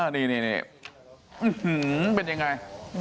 นี่เป็นยังไง